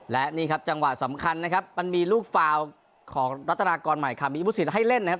และนี่ครับจังหวะสำคัญนะครับมันมีลูกฟาวของรัฐนากรใหม่ค่ะมีผู้สิทธิ์ให้เล่นนะครับ